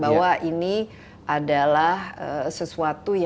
dan kalau tidak salah juga ini berkaitan dengan semakin meningkatnya